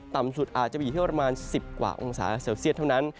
ต่ำสุดอาจจะอีกนักที่กว่า๑๐องศาเซลเซียสเท่านั้น